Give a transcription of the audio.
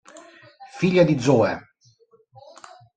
Figlia di Zoe.